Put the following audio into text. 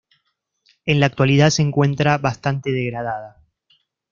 En la actualidad se encuentra bastante degradada.